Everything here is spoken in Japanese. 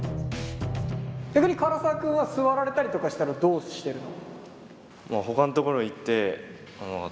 逆に柄澤君は座られたりとかしたらどうしてるの？